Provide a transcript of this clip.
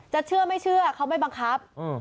เชื่อไม่เชื่อเขาไม่บังคับ